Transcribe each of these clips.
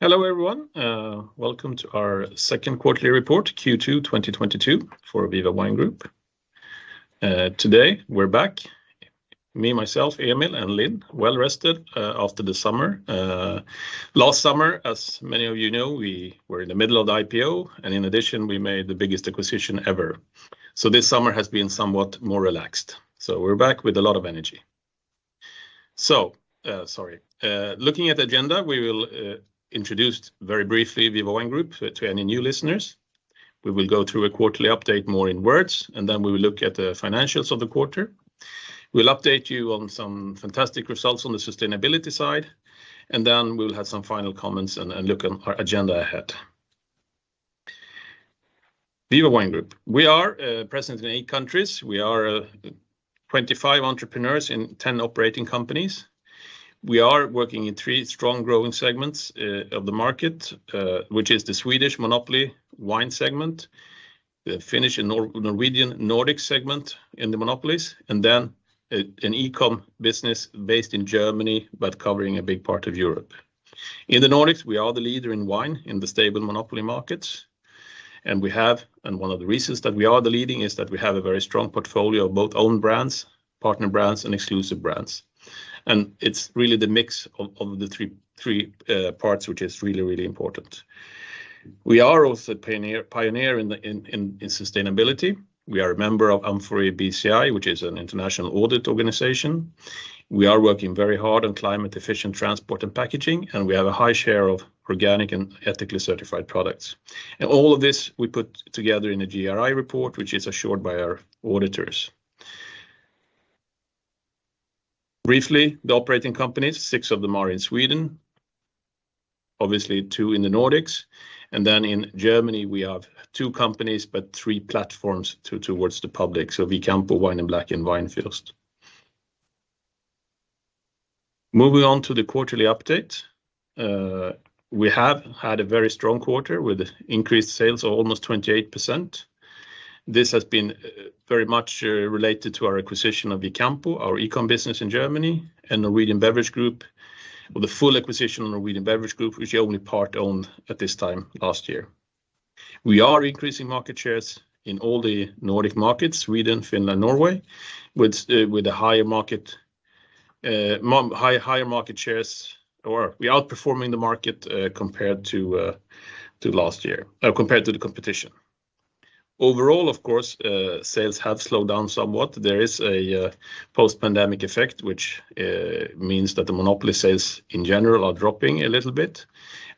Hello, everyone. Welcome to our second quarterly report, Q2 2022 for Viva Wine Group. Today we're back, me, myself, Emil, and Linn, well rested after the summer. Last summer, as many of you know, we were in the middle of the IPO, and in addition, we made the biggest acquisition ever. This summer has been somewhat more relaxed. We're back with a lot of energy. Sorry. Looking at the agenda, we will introduce very briefly Viva Wine Group to any new listeners. We will go through a quarterly update more in words, and then we will look at the financials of the quarter. We'll update you on some fantastic results on the sustainability side, and then we'll have some final comments and look at our agenda ahead. Viva Wine Group. We are present in eight countries. We are 25 entrepreneurs in 10 operating companies. We are working in three strong growing segments of the market, which is the Swedish monopoly wine segment, the Finnish and Norwegian Nordic segment in the monopolies, and then an e-com business based in Germany, but covering a big part of Europe. In the Nordics, we are the leader in wine in the stable monopoly markets, and one of the reasons that we are the leading is that we have a very strong portfolio of both own brands, partner brands and exclusive brands. It's really the mix of the three parts which is really important. We are also a pioneer in sustainability. We are a member of amfori BSCI, which is an international audit organization. We are working very hard on climate efficient transport and packaging, and we have a high share of organic and ethically certified products. All of this we put together in a GRI report, which is assured by our auditors. Briefly, the operating companies, six of them are in Sweden. Obviously, two in the Nordics, and then in Germany, we have two companies, but three platforms towards the public, so Vicampo, Wine in Black and Weinfürst. Moving on to the quarterly update, we have had a very strong quarter with increased sales of almost 28%. This has been very much related to our acquisition of Vicampo, our e-com business in Germany, and Norwegian Beverage Group. The full acquisition of Norwegian Beverage Group, which we only part-owned at this time last year. We are increasing market shares in all the Nordic markets, Sweden, Finland, Norway, with higher market shares, or we're outperforming the market compared to the competition. Overall, of course, sales have slowed down somewhat. There is a post-pandemic effect, which means that the monopoly sales in general are dropping a little bit.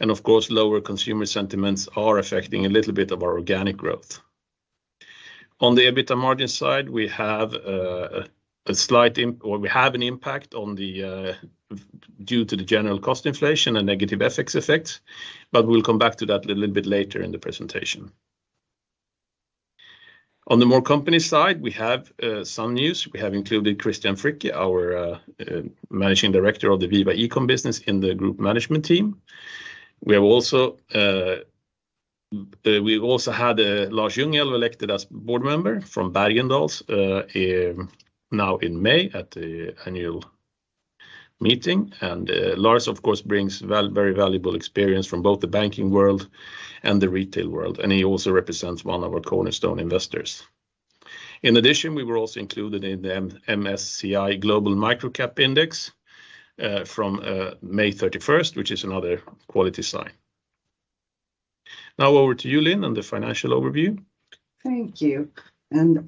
Of course, lower consumer sentiments are affecting a little bit of our organic growth. On the EBITDA margin side, we have an impact due to the general cost inflation and negative FX effects, but we'll come back to that a little bit later in the presentation. On the more company side, we have some news. We have included Christian Fricke, our Managing Director of the Viva e-com business in the group management team. We have also had Lars Ljungälv elected as Board Member from Bergendahls now in May at the annual meeting. Lars, of course, brings very valuable experience from both the banking world and the retail world, and he also represents one of our cornerstone investors. In addition, we were also included in the MSCI Global Micro Cap Index from May 31st, which is another quality sign. Now over to you, Linn, on the financial overview. Thank you.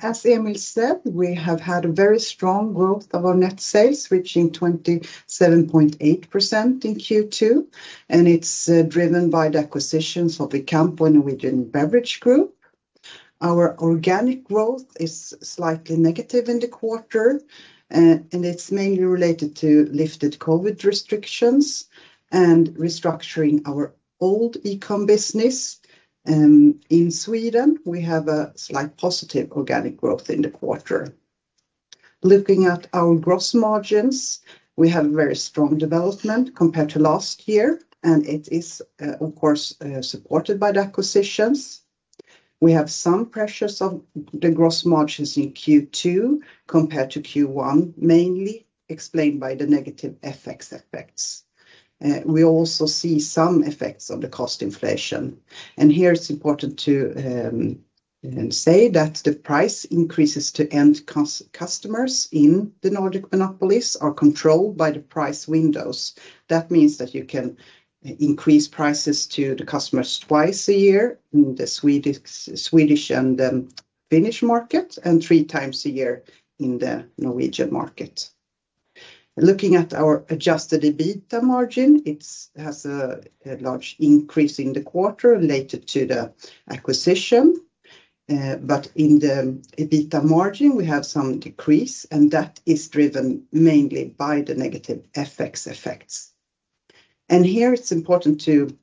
As Emil said, we have had a very strong growth of our net sales, reaching 27.8% in Q2, and it's driven by the acquisitions of Vicampo and Norwegian Beverage Group. Our organic growth is slightly negative in the quarter, and it's mainly related to lifted COVID restrictions and restructuring our old e-com business. In Sweden, we have a slight positive organic growth in the quarter. Looking at our gross margins, we have very strong development compared to last year, and it is, of course, supported by the acquisitions. We have some pressures on the gross margins in Q2 compared to Q1, mainly explained by the negative FX effects. We also see some effects on the cost inflation. Here it's important to say that the price increases to end customers in the Nordic monopolies are controlled by the price windows. That means that you can increase prices to the customers twice a year in the Swedish and Finnish market, and three times a year in the Norwegian market. Looking at our adjusted EBITDA margin, it has a large increase in the quarter related to the acquisition, but in the EBITDA margin, we have some decrease, and that is driven mainly by the negative FX effects. Here it's important to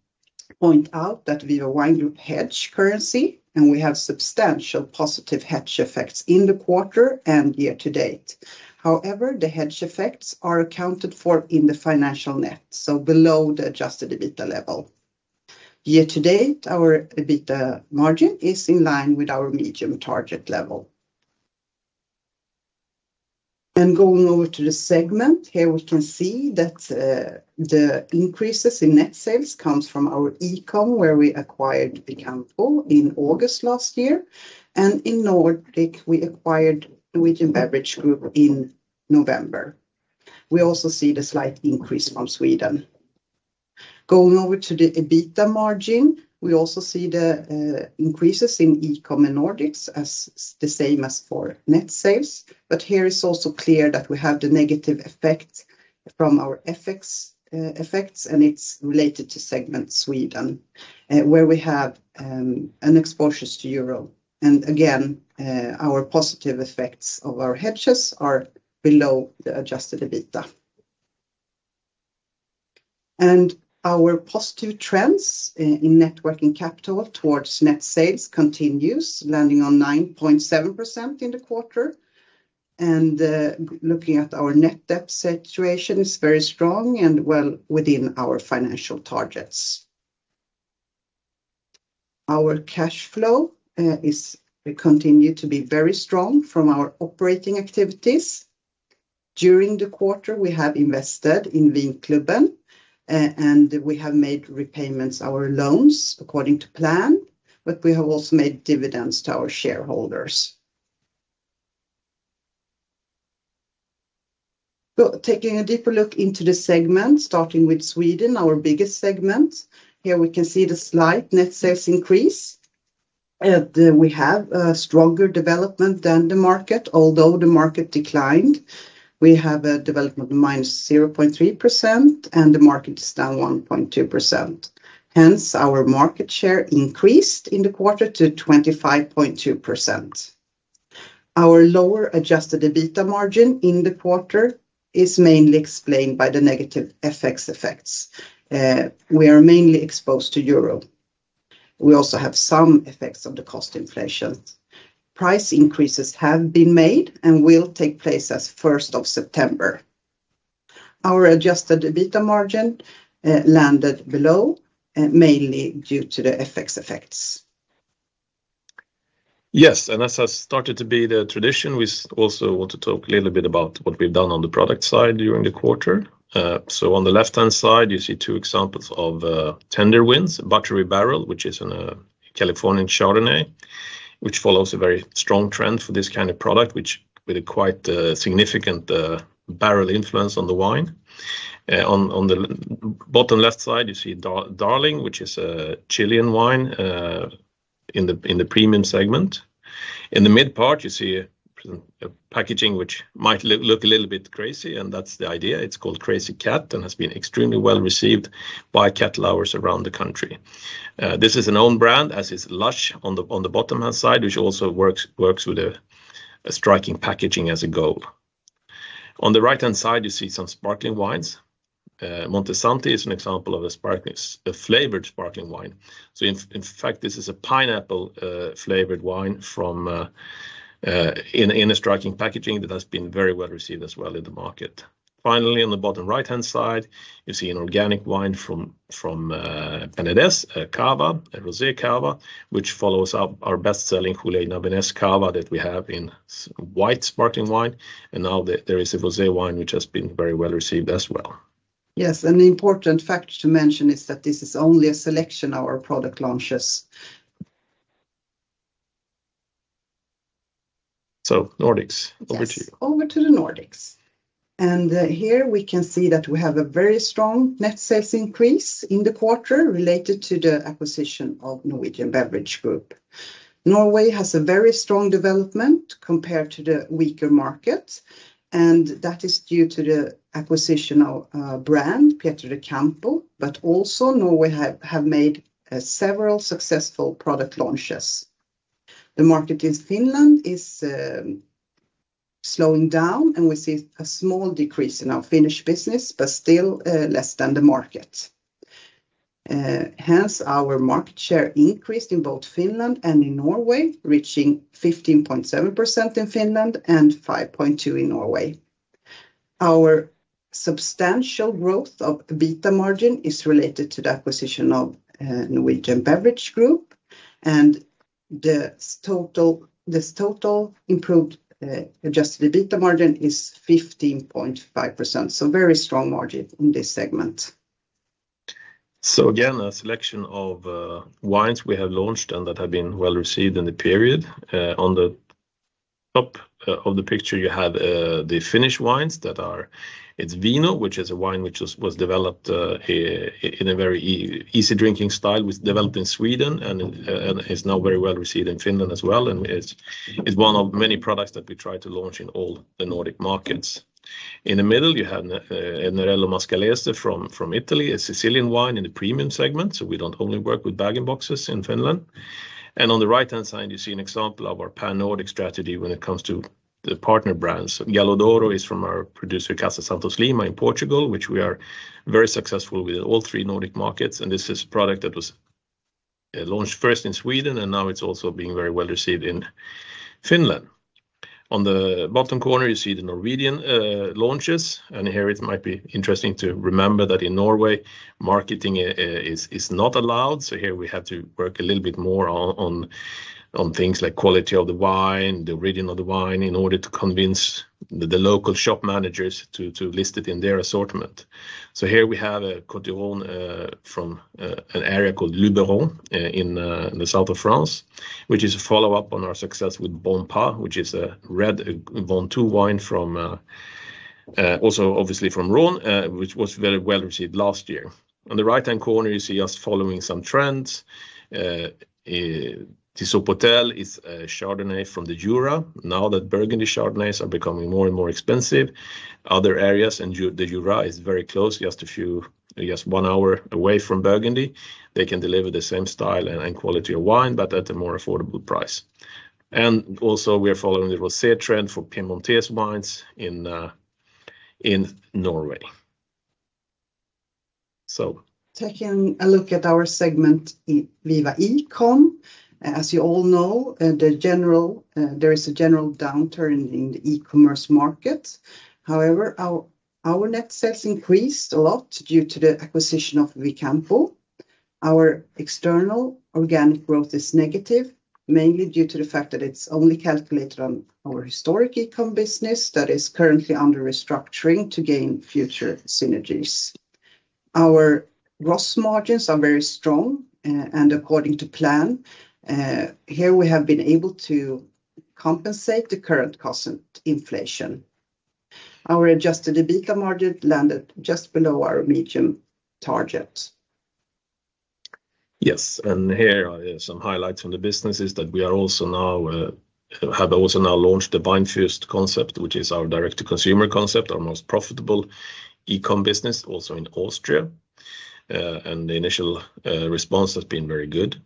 point out that Viva Wine Group hedges currency, and we have substantial positive hedge effects in the quarter and year to date. However, the hedge effects are accounted for in the financial net, so below the adjusted EBITDA level. Year-to-date, our EBITDA margin is in line with our medium target level. Going over to the segment here, we can see that the increases in net sales comes from our eCom, where we acquired Vicampo in August last year, and in Nordic, we acquired Norwegian Beverage Group in November. We also see the slight increase from Sweden. Going over to the EBITDA margin, we also see the increases in eCom and Nordics as the same as for net sales. Here it's also clear that we have the negative effect from our FX effects, and it's related to segment Sweden, where we have an exposure to euro. Again, our positive effects of our hedges are below the adjusted EBITDA. Our positive trends in net working capital towards net sales continues, landing on 9.7% in the quarter. Looking at our net debt situation is very strong and well within our financial targets. Our cash flow is. We continue to be very strong from our operating activities. During the quarter, we have invested in Vinklubben, and we have made repayments of our loans according to plan, but we have also made dividends to our shareholders. Taking a deeper look into the segment, starting with Sweden, our biggest segment. Here we can see the slight net sales increase. We have a stronger development than the market. Although the market declined, we have a development of -0.3%, and the market is down 1.2%. Hence, our market share increased in the quarter to 25.2%. Our lower adjusted EBITDA margin in the quarter is mainly explained by the negative FX effects. We are mainly exposed to euro. We also have some effects of the cost inflation. Price increases have been made and will take place as of the September 1st. Our adjusted EBITDA margin landed below, mainly due to the FX effects. Yes, as has started to be the tradition, we also want to talk a little bit about what we've done on the product side during the quarter. On the left-hand side, you see two examples of tender wins. Buttery Barrel, which is a Californian Chardonnay, which follows a very strong trend for this kind of product, which with a quite significant barrel influence on the wine. On the bottom left side, you see Darling, which is a Chilean wine in the premium segment. In the mid part, you see a packaging which might look a little bit crazy, and that's the idea. It's called Crazy Cat and has been extremely well-received by cat lovers around the country. This is an own brand, as is Lush on the bottom-hand side, which also works with a striking packaging as a goal. On the right-hand side, you see some sparkling wines. Monte Santi is an example of a flavored sparkling wine. In fact, this is a pineapple flavored wine from in a striking packaging that has been very well-received as well in the market. Finally, on the bottom right-hand side, you see an organic wine from Jaume Serra Cava, a Rosé Cava, which follows up our best-selling Jaume Serra Cava that we have in white sparkling wine. Now there is a rosé wine, which has been very well-received as well. Yes, an important fact to mention is that this is only a selection of our product launches. Nordics, over to you. Yes, over to the Nordics. Here we can see that we have a very strong net sales increase in the quarter related to the acquisition of Norwegian Beverage Group. Norway has a very strong development compared to the weaker markets, and that is due to the acquisition of a brand, Pietro di Campo, but also Norway have made several successful product launches. The market in Finland is slowing down, and we see a small decrease in our Finnish business, but still less than the market. Hence, our market share increased in both Finland and in Norway, reaching 15.7% in Finland and 5.2% in Norway. Our substantial growth of EBITDA margin is related to the acquisition of Norwegian Beverage Group. The total improved adjusted EBITDA margin is 15.5%, so very strong margin in this segment. Again, a selection of wines we have launched and that have been well-received in the period. On the top of the picture, you have the Finnish wines. It's Vino, which is a wine which was developed in a very easy drinking style, was developed in Sweden and is now very well-received in Finland as well, and is one of many products that we try to launch in all the Nordic markets. In the middle, you have Nerello Mascalese from Italy, a Sicilian wine in the premium segment, so we don't only work with bag-in-boxes in Finland. On the right-hand side, you see an example of our pan-Nordic strategy when it comes to the partner brands. [Gallo d'Oro] is from our producer, Casa Santos Lima, in Portugal, which we are very successful with in all three Nordic markets, and this is a product that was launched first in Sweden, and now it's also being very well-received in Finland. On the bottom corner, you see the Norwegian launches, and here it might be interesting to remember that in Norway, marketing is not allowed. Here we have to work a little bit more on things like quality of the wine, the region of the wine, in order to convince the local shop managers to list it in their assortment. Here we have a Côtes du Rhône from an area called Luberon in the south of France, which is a follow-up on our success with Bonpas, which is a red Ventoux wine from also obviously from Rhône, which was very well-received last year. On the right-hand corner, you see us following some trends. Tissot & Potel is a Chardonnay from the Jura. Now that Burgundy Chardonnays are becoming more and more expensive, other areas, and the Jura is very close, just one hour away from Burgundy. They can deliver the same style and quality of wine, but at a more affordable price. We are following the Rosé trend for Piemonte wines in Norway. Taking a look at our segment in Viva eCom. As you all know, there is a general downturn in the e-commerce market. However, our net sales increased a lot due to the acquisition of Vicampo. Our external organic growth is negative, mainly due to the fact that it's only calculated on our historic eCom business that is currently under restructuring to gain future synergies. Our gross margins are very strong and according to plan. Here we have been able to compensate the current cost and inflation. Our adjusted EBITDA margin landed just below our medium target. Yes, here are some highlights from the businesses that we have also now launched the Weinfürst concept, which is our direct-to-consumer concept, our most profitable eCom business, also in Austria. The initial response has been very good.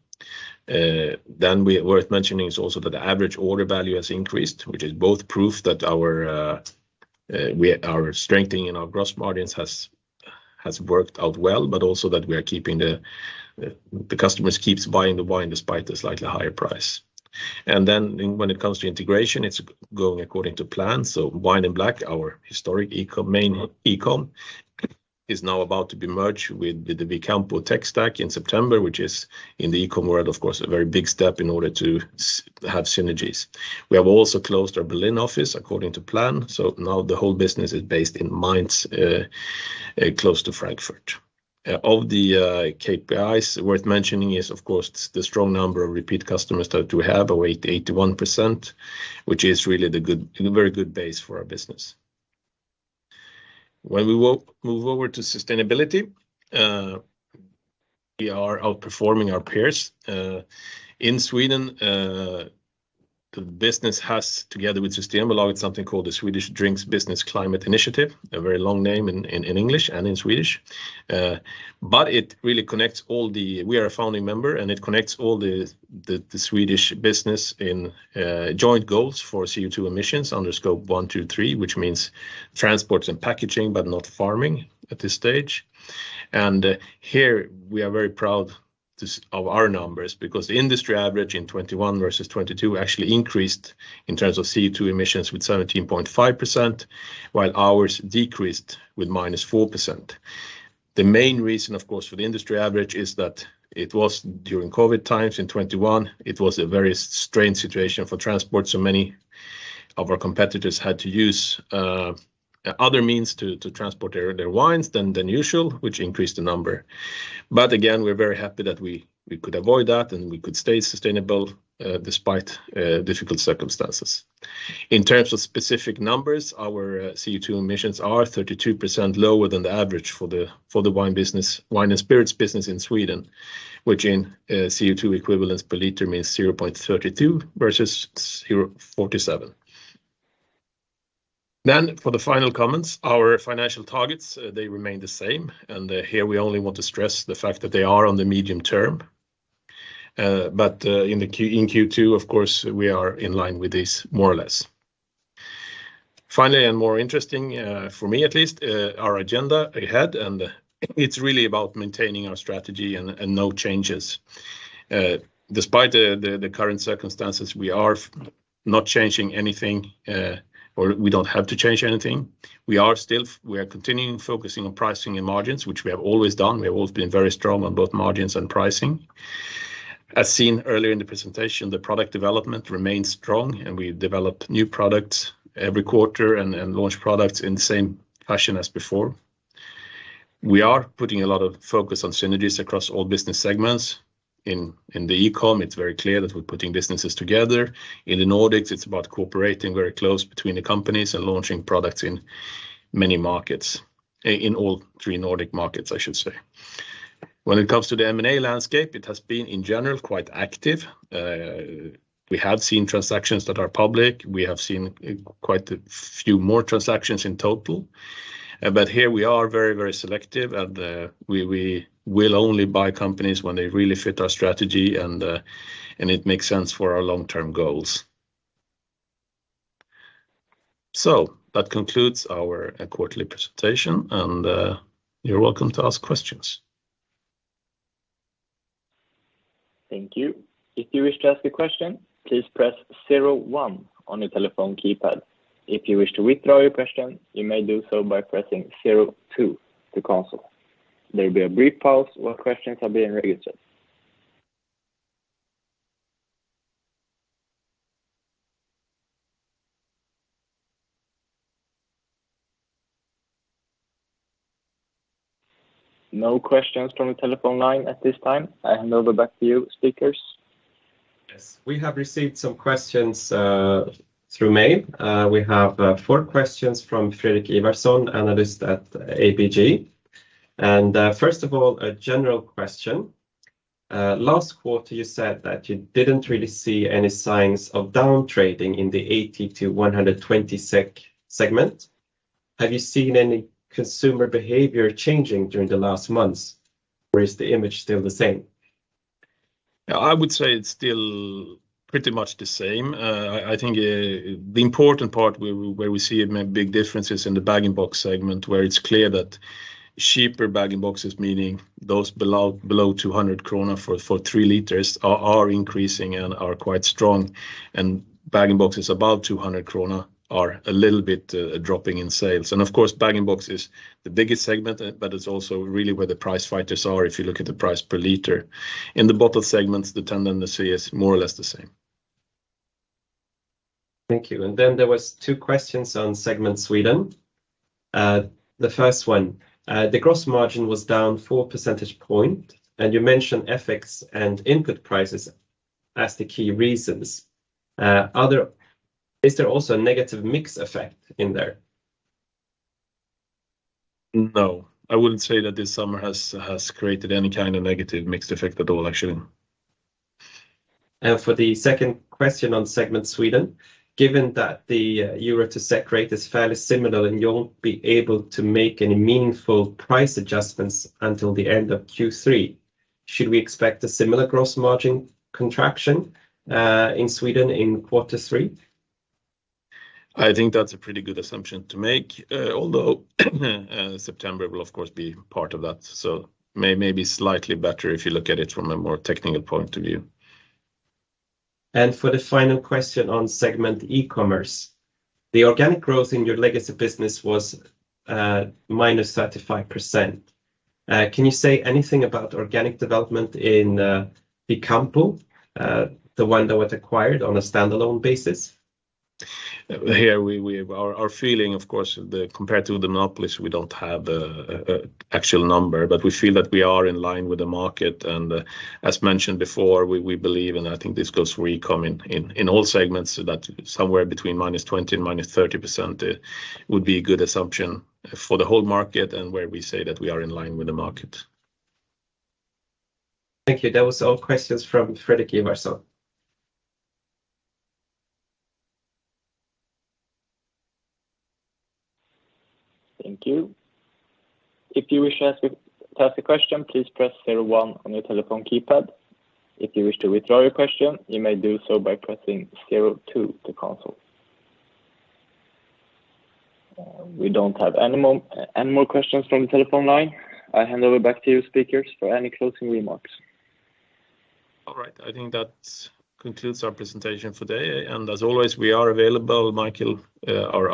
Worth mentioning is also that the average order value has increased, which is both proof that we are strengthening and our gross margins has worked out well, but also that we are keeping the customers keeps buying the wine despite the slightly higher price. Then when it comes to integration, it's going according to plan. Wine in Black, our historic eCom, main eCom, is now about to be merged with the Vicampo tech stack in September, which is, in the eCom world, of course, a very big step in order to have synergies. We have also closed our Berlin office according to plan, so now the whole business is based in Mainz, close to Frankfurt. Of the KPIs worth mentioning is, of course, the strong number of repeat customers that we have, 81%, which is really good, a very good base for our business. When we move over to sustainability, we are outperforming our peers. In Sweden, the business has, together with Systembolaget, something called the Swedish Drinks Business Climate Initiative, a very long name in English and in Swedish. But we are a founding member, and it connects all the Swedish business in joint goals for CO2 emissions under scope one, two, three, which means transports and packaging, but not farming at this stage. Here we are very proud of our numbers because the industry average in 2021 versus 2022 actually increased in terms of CO2 emissions with 17.5%, while ours decreased with -4%. The main reason, of course, for the industry average is that it was during COVID times in 2021. It was a very strained situation for transport, so many of our competitors had to use other means to transport their wines than usual, which increased the number. We're very happy that we could avoid that, and we could stay sustainable despite difficult circumstances. In terms of specific numbers, our CO2 emissions are 32% lower than the average for the wine and spirits business in Sweden, which in CO2 equivalents per liter means 0.32 versus 0.47. For the final comments, our financial targets, they remain the same. Here we only want to stress the fact that they are on the medium term. In Q2, of course, we are in line with this more or less. Finally, more interesting, for me at least, our agenda ahead, and it's really about maintaining our strategy and no changes. Despite the current circumstances, we are not changing anything, or we don't have to change anything. We are continuing focusing on pricing and margins, which we have always done. We have always been very strong on both margins and pricing. As seen earlier in the presentation, the product development remains strong, and we develop new products every quarter and launch products in the same fashion as before. We are putting a lot of focus on synergies across all business segments. In the eCom, it's very clear that we're putting businesses together. In the Nordics, it's about cooperating very close between the companies and launching products in many markets, in all three Nordic markets, I should say. When it comes to the M&A landscape, it has been, in general, quite active. We have seen transactions that are public. We have seen quite a few more transactions in total. Here we are very, very selective, and we will only buy companies when they really fit our strategy and it makes sense for our long-term goals. That concludes our quarterly presentation, and you're welcome to ask questions. Thank you. If you wish to ask a question, please press zero-one on your telephone keypad. If you wish to withdraw your question, you may do so by pressing zero-two to cancel. There will be a brief pause while questions are being registered. No questions from the telephone line at this time. I hand over back to you, speakers. Yes. We have received some questions through mail. We have four questions from Fredrik Ivarsson, Analyst at ABG. First of all, a general question. Last quarter, you said that you didn't really see any signs of down trading in the 80-120 SEK segment. Have you seen any consumer behavior changing during the last months, or is the image still the same? Yeah, I would say it's still pretty much the same. I think the important part where we see a big difference is in the bag-in-box segment, where it's clear that cheaper bag-in-boxes, meaning those below 200 krona for 3 l are increasing and are quite strong. Bag-in-boxes above 200 krona are a little bit dropping in sales. Of course, bag-in-box is the biggest segment, but it's also really where the price fighters are, if you look at the price per liter. In the bottle segments, the tendency is more or less the same. Thank you. There was two questions on segment Sweden. The first one, the gross margin was down four percentage points, and you mentioned FX and input prices as the key reasons. Is there also a negative mix effect in there? No, I wouldn't say that this summer has created any kind of negative mixed effect at all, actually. For the second question on segment Sweden. Given that the euro to SEK rate is fairly similar and you won't be able to make any meaningful price adjustments until the end of Q3, should we expect a similar gross margin contraction in Sweden in quarter three? I think that's a pretty good assumption to make, although September will of course be part of that, so maybe slightly better if you look at it from a more technical point of view. For the final question on e-commerce segment. The organic growth in your legacy business was -35%. Can you say anything about organic development in Vicampo, the one that was acquired on a standalone basis? Our feeling, of course, compared to the monopolies, we don't have the actual number, but we feel that we are in line with the market. As mentioned before, we believe, and I think this goes for eCom in all segments, that somewhere between -20% and -30% would be a good assumption for the whole market and where we say that we are in line with the market. Thank you. That was all questions from Fredrik Ivarsson. Thank you. If you wish to ask a question, please press zero-one on your telephone keypad. If you wish to withdraw your question, you may do so by pressing zero-two to cancel. We don't have any more questions from the telephone line. I hand over back to you speakers for any closing remarks. All right. I think that concludes our presentation for today. As always, we are available, Mikael, our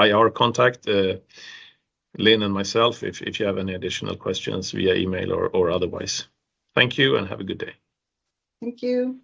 IR contact, Linn and myself, if you have any additional questions via email or otherwise. Thank you and have a good day. Thank you.